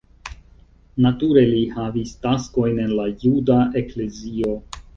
Nature li havis taskojn en la juda eklezio.